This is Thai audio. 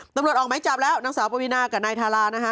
ออกไม้จับแล้วนางสาวปวีนากับนายทารานะฮะ